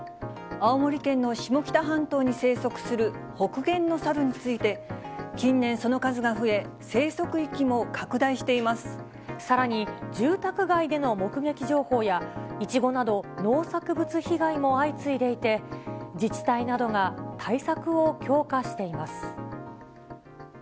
青森県の下北半島に生息する北限のサルについて、近年、その数が増え、生息域も拡大してさらに、住宅街での目撃情報や、イチゴなど農作物被害も相次いでいて、自治体などが対策を強化しています。